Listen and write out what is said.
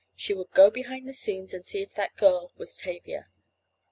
She would go behind the scenes and see if that girl was Tavia!